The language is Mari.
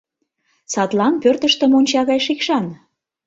Садлан пӧртыштӧ монча гай шикшан.